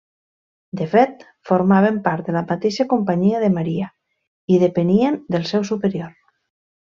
De fet, formaven part de la mateixa Companyia de Maria i depenien del seu superior.